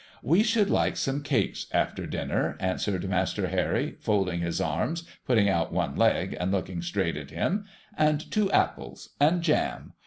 ' \Ve should like some cakes after dinner,' answered Master Harry, folding his arms, putting out one leg, and looking straight at him, ' and two apples, — and jam.